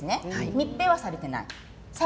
密閉はされていない。